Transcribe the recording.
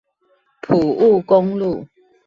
埔霧公路